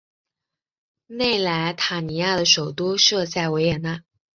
内莱塔尼亚的首都设在维也纳。